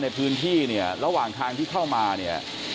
ในพื้นที่เนี่ยระหว่างทางที่เข้ามาเนี่ย